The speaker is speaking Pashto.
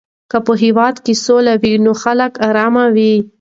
که په هېواد کې سوله وي نو خلک آرامه وي.